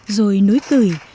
rồi nối cười